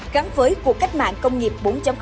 gắn với cuộc cách mạng công nghiệp bốn